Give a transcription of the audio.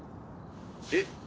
えっ？